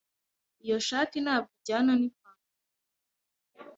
Iyo shati ntabwo ijyana nipantaro.